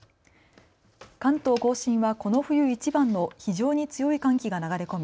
関東甲信はこの冬いちばんの非常に強い寒気が流れ込み